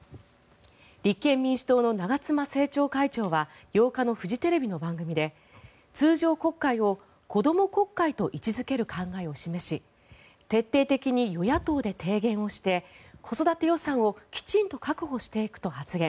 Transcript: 立憲民主党の長妻政調会長は８日のフジテレビの番組で通常国会を子ども国会と位置付ける考えを示し徹底的に与野党で提言をして子育て予算をきちんと確保していくと発言。